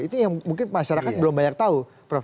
itu yang mungkin masyarakat belum banyak tahu prof